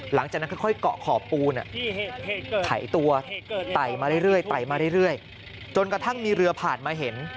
หลังจากนั้นค่อยเกาะขอบปูน่ะไถตัวไตมาเรื่อยจนกระทั่งมีเรือผ่านมาเห็น